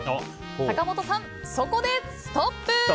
坂本さん、そこでストップ！